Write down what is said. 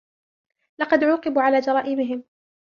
لقد عوقبوا على جرائمهم.